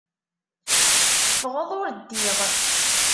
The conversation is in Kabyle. Teffɣeḍ ur ddiɣ.